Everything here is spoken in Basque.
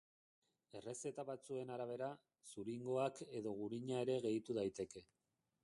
Errezeta batzuen arabera, zuringoak edo gurina ere gehitu daiteke.